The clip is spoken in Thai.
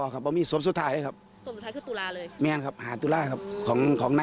กระดูกในเมนนี่มันกระดูกใครกันแน่